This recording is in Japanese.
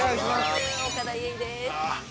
◆岡田結実です。